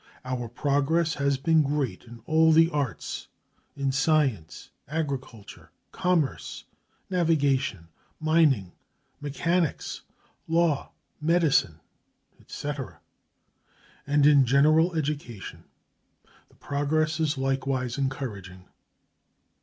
Our progress has been great in all the arts in science, agriculture, commerce, navigation, mining, mechanics, law, medicine, etc.; and in general education the progress is likewise encouraging.